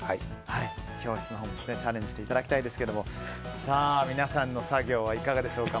教室のほうもチャレンジしていただきたいですが皆さんの作業はいがでしょうか。